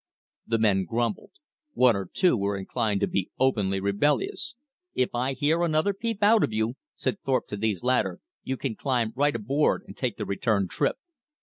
The men grumbled. One or two were inclined to be openly rebellious. "If I hear another peep out of you," said Thorpe to these latter, "you can climb right aboard and take the return trip."